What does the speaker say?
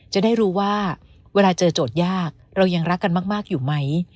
จะได้รู้ว่าเวลาเจอโจทย์ยากเรายังรักกันมากอยู่ไหม